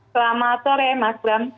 selamat sore mas bram